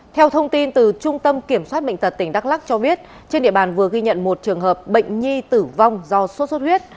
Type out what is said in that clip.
theo thông tin từ trung tâm kiểm soát bệnh tật tỉnh đắk lắc cho biết trên địa bàn vừa ghi nhận một trường hợp bệnh nhi tử vong do sốt xuất huyết